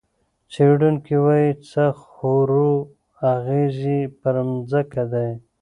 څېړونکي وايي، څه خورو، اغېز یې پر ځمکه دی.